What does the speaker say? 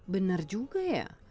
benar juga ya